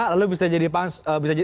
dua puluh lima lalu bisa jadi pansus